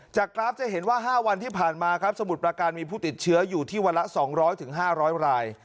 จากกราฟจะเห็นว่าห้าวันที่ผ่านมาครับสมุดประการมีผู้ติดเชื้ออยู่ที่วันละสองร้อยถึงห้าร้อยราย